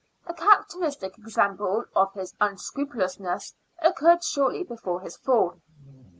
(A characteristic example of his unscrupulousness occurred shortly before his fall.